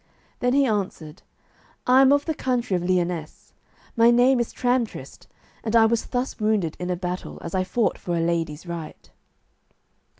Then he answered, "I am of the country of Lyonesse; my name is Tramtrist, and I was thus wounded in a battle, as I fought for a lady's right."